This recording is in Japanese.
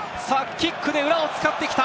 キックで裏を使ってきた！